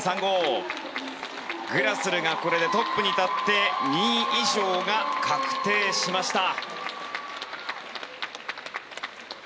グラスルがトップに立って２位以上が確定しました。